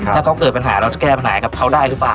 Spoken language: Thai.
ถ้าเขาเกิดปัญหาเราจะแก้ปัญหากับเขาได้หรือเปล่า